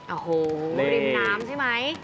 โอ้โหริมน้ำใช่ไหม